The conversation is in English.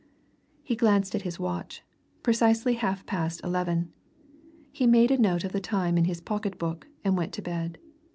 He glanced at his watch precisely half past eleven. He made a note of the time in his pocket book and went to bed.